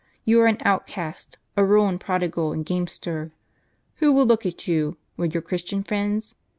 You are an outcast, a ruined prodigal and game ster. Who will look at you? will your Christian friends?